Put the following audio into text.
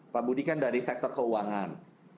pak budi kan dari sektor keuangan